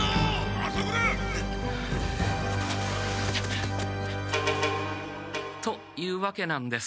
あそこだ！というわけなんです。